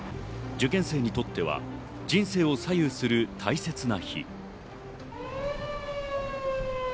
受験生にとっては人生を左右する大切な日。